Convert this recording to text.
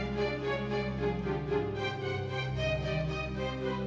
tapi disimpannya ada dalam gudang